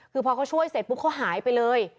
คือพอเขาช่วยเสร็จปุ๊บเขาหายไปเลย